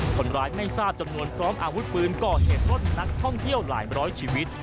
คนร้ายไม่ทราบจำนวนพร้อมอาวุธปืนก่อเหตุล้นนักท่องเที่ยวหลายร้อยชีวิต